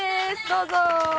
どうぞ。